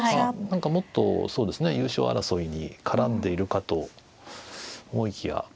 もっとそうですね優勝争いに絡んでいるかと思いきや。